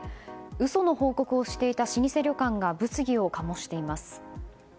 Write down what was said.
嘘の報告をしていた老舗旅館が物議を醸しています。